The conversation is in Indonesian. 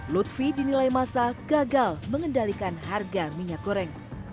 lutfi dinilai masa gagal mengendalikan harga minyak goreng